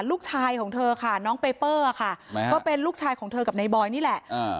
ลูกชายของเธอค่ะน้องเปเปอร์ค่ะก็เป็นลูกชายของเธอกับในบอยนี่แหละ